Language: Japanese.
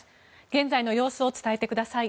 現在の様子を伝えてください。